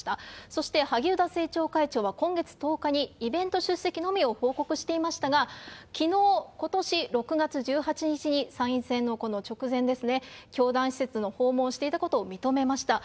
そして萩生田政調会長は今月１０日にイベント出席のみを報告していましたが、きのう、ことし６月１８日に、参院選のこの直前ですね、教団施設を訪問していたことを認めました。